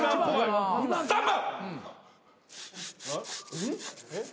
３番。